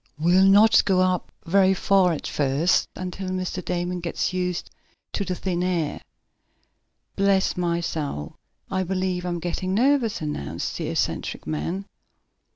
"We'll not go up very far at first, until Mr. Damon gets used to the thin air." "Bless my soul, I believe I'm getting nervous," announced the eccentric man.